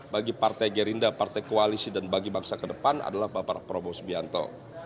bagi partai gerindra partai koalisi dan bagi bangsa kedepan adalah bapak prabowo supianto